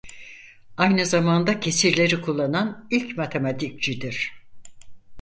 Aynı zamanda kesirleri kullanan ilk matematikçidir.